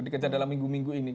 dikejar dalam minggu minggu ini